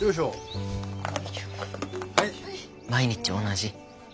毎日同じ。